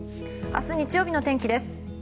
明日日曜日の天気です。